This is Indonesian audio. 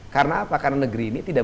karena karena negeri ini tidak